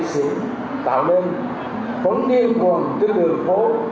chúng ta sẽ tạo nên phấn điên nguồn trên đường phố